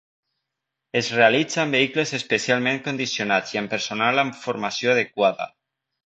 Es realitza amb vehicles especialment condicionats i amb personal amb formació adequada.